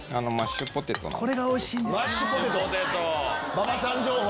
馬場さん情報